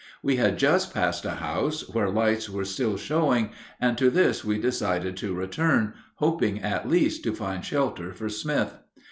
We had just passed a house where lights were still showing, and to this we decided to return, hoping at least to find shelter for Smith.